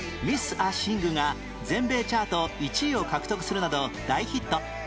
『ミス・ア・シング』が全米チャート１位を獲得するなど大ヒット